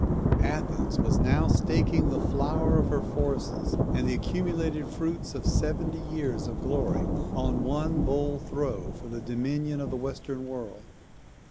Athens was now staking the flower of her forces, and the accumulated fruits of seventy years of glory, on one bold throw for the dominion of the Western world.